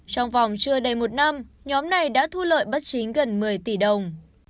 trong vòng chưa đầy một năm nhóm này đã thu lợi bất chính gần một mươi tỷ đồng